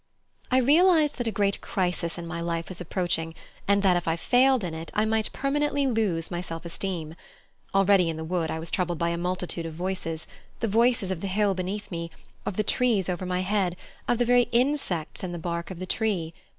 I realized that a great crisis in my life was approaching, and that if I failed in it I might permanently lose my self esteem. Already in the wood I was troubled by a multitude of voices the voices of the hill beneath me, of the trees over my head, of the very insects in the bark of the tree.